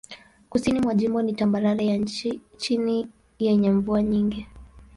Kusini mwa jimbo ni tambarare ya chini yenye mvua nyingi.